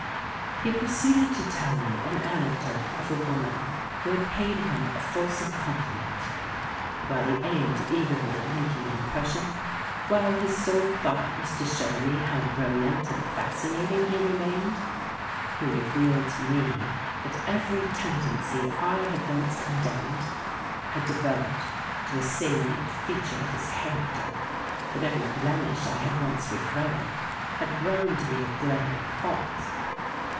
He proceeded to tell me an anecdote of a woman who had paid him a fulsome compli ment. While he aimed eagerly at making an impression — while his sole thought was to show me how brilliant and fascinating he remained — he revealed to me that every tendency I had once condemned had developed to a salient feature of his character, that every blemish I had once re gretted had grown to be a glaring fault.